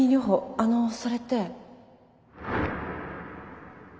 あのそれって。